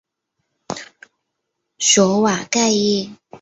索瓦盖伊。